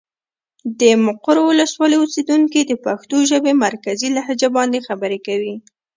د مقر ولسوالي اوسېدونکي د پښتو ژبې مرکزي لهجه باندې خبرې کوي.